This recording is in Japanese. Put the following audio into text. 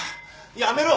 やめろ！